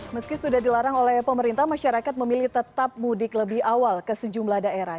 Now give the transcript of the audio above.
meski sudah dilarang oleh pemerintah masyarakat memilih tetap mudik lebih awal ke sejumlah daerah